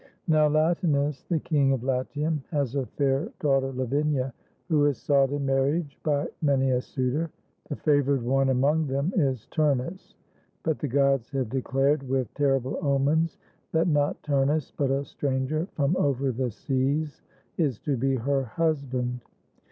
Now Latinus, the King of Latium, has a fair daughter Lavinia, who is sought in marriage by many a suitor. The favored one among them is Turnus; but the gods have declared with ter rible omens that not Turnus, but a stranger from over the seas, is to be her husband.